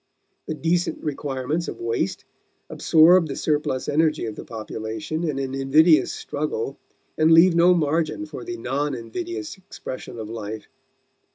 The decent requirements of waste absorb the surplus energy of the population in an invidious struggle and leave no margin for the non invidious expression of life.